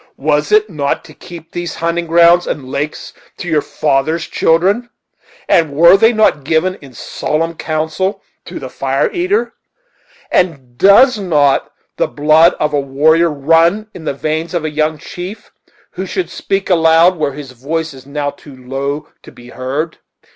Was it not to keep these hunting grounds and lakes to your father's children? and were they not given in solemn council to the Fire eater? and does not the blood of a warrior run in the veins of a young chief, who should speak aloud where his voice is now too low to be heard?"